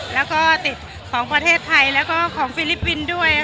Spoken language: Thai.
แล้วก็ติดของประเทศไทยและฟิฟริปปินซ์ด้วย